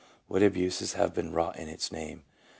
what abuses have been wrought in its name.